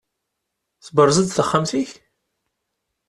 Tberzeḍ-d taxxamt-ik?